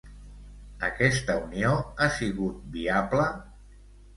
Aquesta unió ha sigut viable?